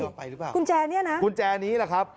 หรือเปล่าขุนแจนี้นะขุนแจนี้แหละครับ